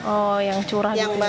oh yang curah